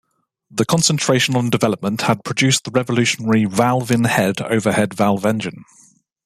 The concentration on development had produced the revolutionary "Valve-in-Head" overhead valve engine.